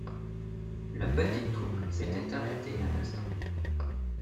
La petite troupe s’était arrêtée un instant.